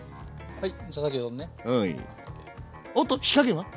はい。